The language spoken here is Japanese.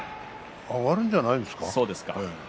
上がるんじゃないですか。